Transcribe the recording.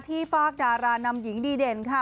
ฝากดารานำหญิงดีเด่นค่ะ